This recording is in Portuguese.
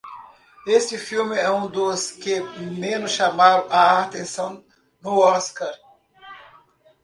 Esse filme é um dos que menos chamaram a atenção no Oscar.